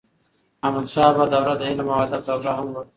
احمدشاه بابا دوره د علم او ادب دوره هم وه.